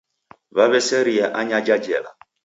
Waw'eseria anyaja jela.